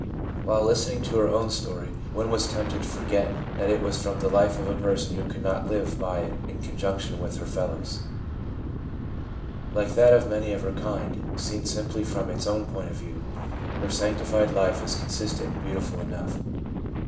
While listening to her own 390 THE PSYCHOLOGY OF RELIGION story, one was tempted to forget that it was from the life of a person who could not live by it in conjunction with her fellows. Like that of many of her kind, seen simply from its own point of view, her sanctified life is consistent and beautiful enough.